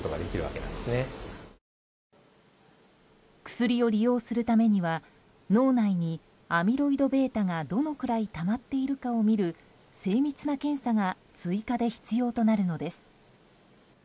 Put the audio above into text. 薬を利用するためには脳内にアミロイドβがどのくらいたまっているかを見る精密な検査が追加で必要となるのです。